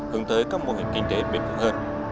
hướng tới các mô hình kinh tế bền vững hơn